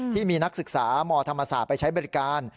ที่มีนักศึกษามธรรมศาสตร์ไปใช้บริการ